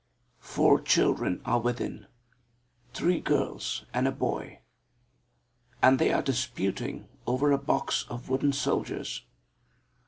Four children are within three girls and a boy and they are disputing over a box of wooden soldiers.